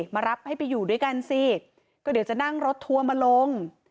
มารับให้ไปอยู่ด้วยกันสิก็เดี๋ยวจะนั่งรถทัวร์มาลง